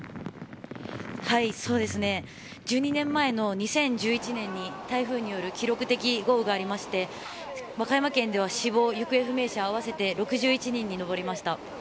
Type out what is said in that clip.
１２年前の２０１１年に台風による記録的豪雨がありまして和歌山県では死亡・行方不明者合わせて６１人に上りました。